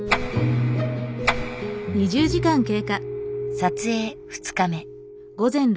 撮影２日目。